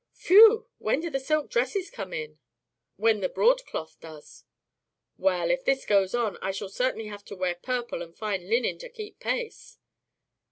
"Phew! When do the silk dresses come in?" "When your broadcloth does." "Well, if this goes on, I shall certainly have to wear purple and fine linen to keep pace."